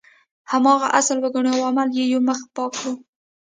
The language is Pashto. هماغه اصل وګڼو او اعمال یو مخ پاک کړو.